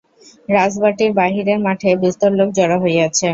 রাজবাটীর বাহিরের মাঠে বিস্তর লোক জড়ো হইয়াছে।